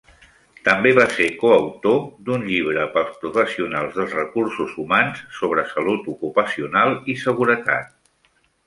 També va ser coautor d'un llibre pels professionals dels recursos humans sobre salut ocupacional i seguretat.